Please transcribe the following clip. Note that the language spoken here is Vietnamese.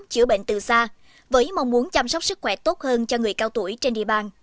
chữa bệnh từ xa với mong muốn chăm sóc sức khỏe tốt hơn cho người cao tuổi trên địa bàn